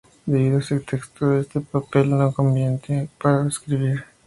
Debido a su textura, este papel no es conveniente para escribir.